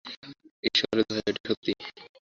ঈশ্বরের দোহাই, এটা সত্যি।